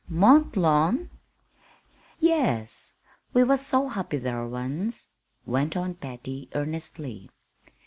"Mont Lawn?" "Yes. We was so happy thar, once," went on Patty, earnestly.